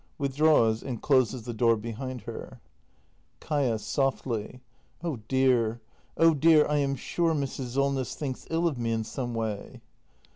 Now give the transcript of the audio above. [Withdraws and closes the door behind her. Kaia. [Softly.] Oh dear, oh dear — I am sure Mrs. Solness thinks ill of me in some way!